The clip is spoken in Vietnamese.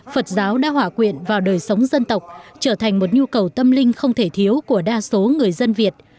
phật giáo đã hỏa quyện vào đời sống dân tộc trở thành một nhu cầu tâm linh không thể thiếu của đa số người dân việt